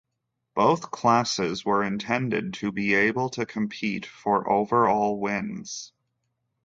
Both classes were intended to be able to compete for overall wins.